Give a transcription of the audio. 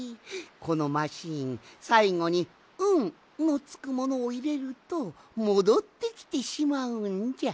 このマシーンさいごに「ん」のつくものをいれるともどってきてしまうんじゃ。